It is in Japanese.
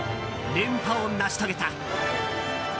連覇を成し遂げた。